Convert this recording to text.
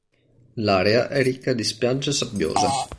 L'area è ricca di spiagge sabbiose.